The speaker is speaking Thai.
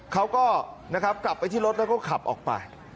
เขาก็นะครับกลับไปที่รถแล้วก็ขับออกไป